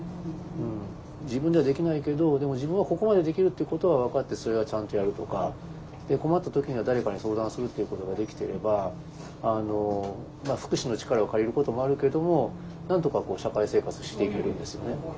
自分ではできないけどでも自分はここまでできるっていうことは分かってそれはちゃんとやるとか困った時には誰かに相談するっていうことができてれば福祉の力を借りることもあるけどもなんとか社会生活していけるんですよね。